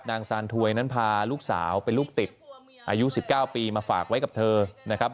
ซานถวยนั้นพาลูกสาวเป็นลูกติดอายุ๑๙ปีมาฝากไว้กับเธอนะครับ